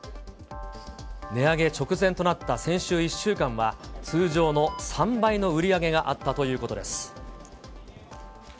値上げ直前となった先週１週間は、通常の３倍の売り上げがあったということです。